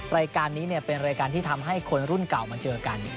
รายการนี้เป็นรายการที่ทำให้คนรุ่นเก่ามาเจอกัน